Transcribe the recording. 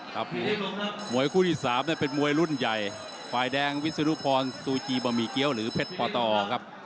มวยคู่ที่๓เป็นมวยรุ่นใหญ่ฝ่ายแดงวิศนุพรซูจีบะหมี่เกี้ยวหรือเพชรปตครับ